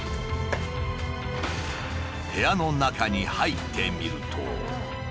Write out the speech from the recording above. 部屋の中に入ってみると。